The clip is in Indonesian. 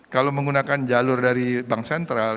kalau menggunakan jalur dari bank sentral